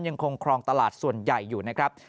ยังคงครองตลาดส่วนใหญ่อยู่นะครับ